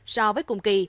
so với cùng kỳ